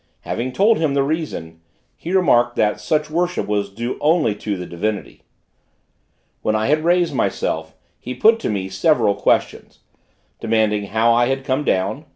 Having told him the reason, he remarked, that such worship was due only to the Divinity. When I had raised myself, he put to me several questions demanding how I had come down?